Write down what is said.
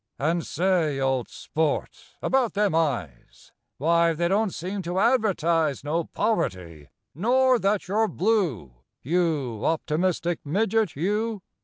And, say, old sport, about them eyes: Wye, they don't seem to advertise No poverty, nor that you're blue, You optimistic midget you!